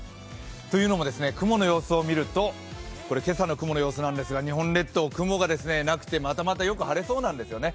というのも雲の様子を見ると、これ今朝の雲の様子なんですが日本列島、雲がなくて、またまたよく晴れそうなんですよね。